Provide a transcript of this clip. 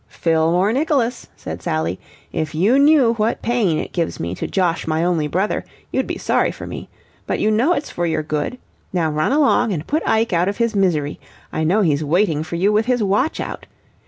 "Fillmore Nicholas," said Sally, "if you knew what pain it gives me to josh my only brother, you'd be sorry for me. But you know it's for your good. Now run along and put Ike out of his misery. I know he's waiting for you with his watch out.